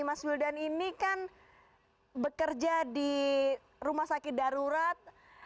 mas wildan ini kan bekerja di rumah sakit darurat